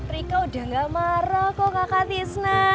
rika udah gak marah kok kakak tisna